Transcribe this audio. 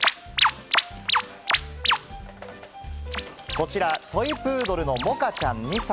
こちらトイプードルのモカちゃん、２歳。